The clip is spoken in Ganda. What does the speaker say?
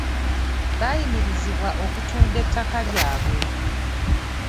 Baayimirizibwa okutunda ettaka lyabwe.